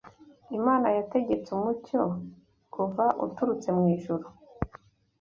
Imana yategetse umucyo kuva uturutse mu ijuru